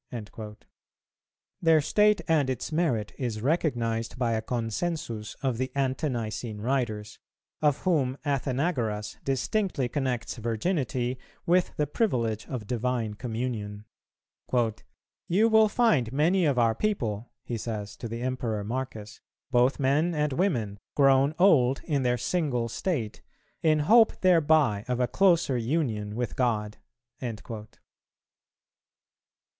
"[407:2] Their state and its merit is recognized by a consensus of the Ante nicene writers; of whom Athenagoras distinctly connects Virginity with the privilege of divine communion: "You will find many of our people," he says to the Emperor Marcus, "both men and women, grown old in their single state, in hope thereby of a closer union with God."[408:1] 2.